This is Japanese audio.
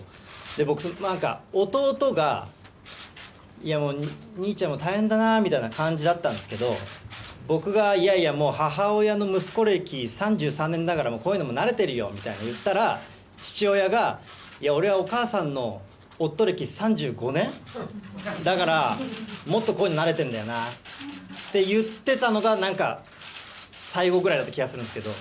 僕、なんか、弟が、いやもう、兄ちゃんも大変だなみたいな感じだったんですけど、僕が、いやいや、もう、母親の息子歴３３年だから、もうこういうの慣れてるよって言ったら、父親が、いや、俺はお母さんの夫歴３５年だから、だから、もっとこういうの慣れてるんだよなって言ってたのが、なんか、最後ぐらいだった気がするんですけど。